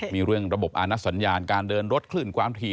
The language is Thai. มีเรื่องระบบอาณัสสัญญาณการเดินรถคลื่นความถี่